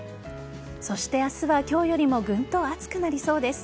そして明日は今日よりもグンと暑くなりそうです。